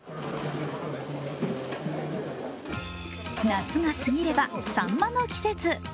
夏が過ぎればさんまの季節。